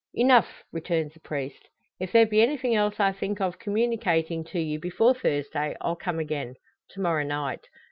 "Enough!" returns the priest. "If there be anything else I think of communicating to you before Thursday I'll come again to morrow night.